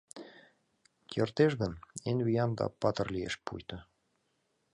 Кертеш гын, эн виян да патыр лиеш пуйто.